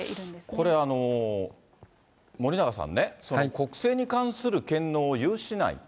これ、森永さんね、国政に関する権能を有しない。